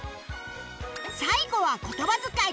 最後は言葉遣い